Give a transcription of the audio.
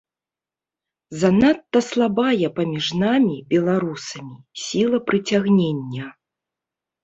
Занадта слабая паміж намі, беларусамі, сіла прыцягнення.